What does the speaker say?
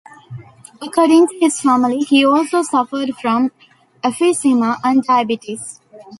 According to his family, he also suffered from emphysema and diabetes.